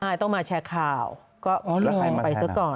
ใช่ต้องมาแชร์ข่าวก็ไปซักก่อน